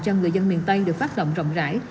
cho người dân miền tây được phát động rộng rãi